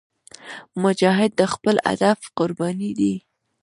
مجاهد د خپل هدف قرباني دی.